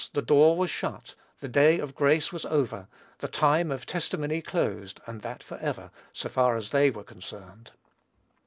"the door was shut," the day of grace was over, the time of testimony closed, and that forever, so far as they were concerned.